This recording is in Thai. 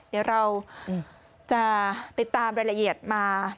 เดี๋ยวเราจะติดตามรายละเอียดมา